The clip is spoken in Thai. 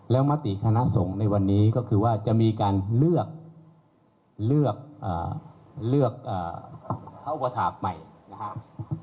แล้วมติคณะส่งในวันนี้ก็คือว่าจะมีการเลือกอุปฐาคใหม่นะครับ